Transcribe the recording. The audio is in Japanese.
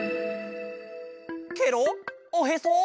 ケロッおへそ？